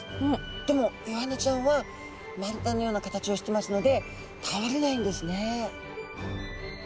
でもイワナちゃんは丸太のような形をしてますので倒れないんですね。